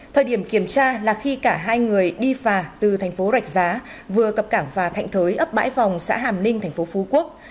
thời điểm kiểm tra là khi cả hai người đi phà từ thành phố rạch giá vừa cập cảng phà thạnh thới ấp bãi vòng xã hàm ninh thành phố phú quốc